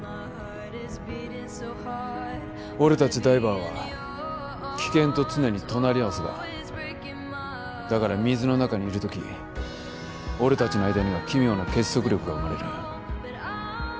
俺達ダイバーは危険と常に隣り合わせだだから水の中にいる時俺達の間には奇妙な結束力が生まれる